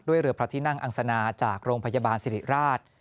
เรือพระที่นั่งอังสนาจากโรงพยาบาลสิริราช